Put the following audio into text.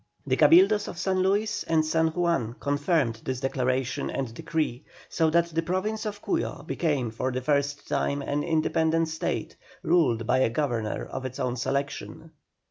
The Cabildos of San Luis and San Juan confirmed this declaration and decree, so that the Province of Cuyo became for the time an independent State, ruled by a Governor of its own selection.